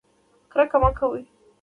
کرکه مه کوئ